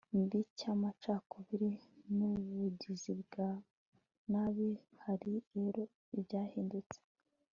mbi y amacakubiri n ubugizi bwa nabi Hari rero ibyahindutse